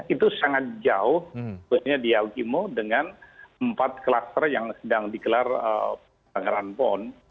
itu sangat jauh berarti di yahukimo dengan empat klaster yang sedang dikelar dengan pon